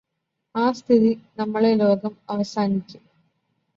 ആ സ്ഥിതി നമ്മളെ ലോകം അവസാനിക്കും